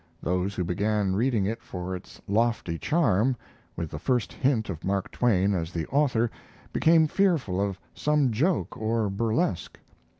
Those who began reading it for its lofty charm, with the first hint of Mark Twain as the author became fearful of some joke or burlesque.